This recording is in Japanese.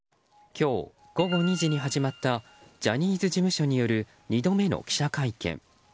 今日午後２時に始まったジャニーズ事務所による２度目の記者会見。